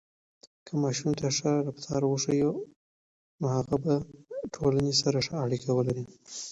که ماشوم ته ښه رفتار وښیو، نو هغه به ټولنې سره ښه اړیکه ولري.